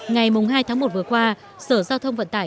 ngày hai tháng một vừa qua sở giao thông vận tải tp hà nội